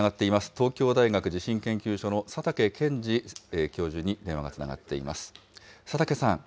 東京大学地震研究所の佐竹健治教授に電話がつながっています。